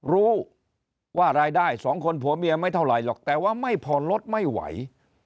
รู้ว่ารายได้สองคนผัวเมียไม่เท่าไหร่หรอกแต่ว่าไม่ผ่อนรถไม่ไหว